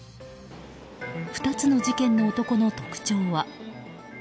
２つの事件の男の特徴は。